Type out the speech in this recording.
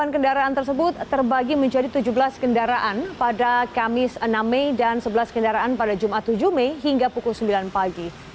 delapan kendaraan tersebut terbagi menjadi tujuh belas kendaraan pada kamis enam mei dan sebelas kendaraan pada jumat tujuh mei hingga pukul sembilan pagi